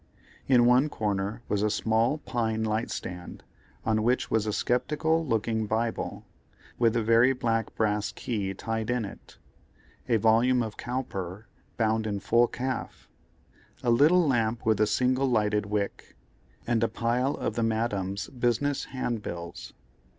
In one corner was a small pine light stand, on which was a sceptical looking Bible, with a very black brass key tied in it; a volume of Cowper bound in full calf; a little lamp with a single lighted wick, and a pile of the Madame's business hand bills.